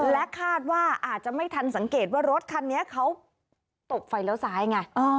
และคาดว่าอาจจะไม่ทันสังเกตว่ารถคันนี้เขาตกไฟเลี้ยวซ้ายไง